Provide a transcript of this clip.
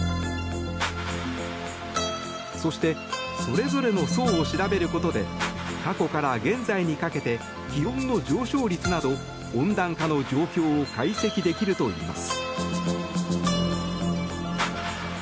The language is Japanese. そしてそれぞれの層を調べることで過去から現在にかけて気温の上昇率など温暖化の状況を解析できるといいます。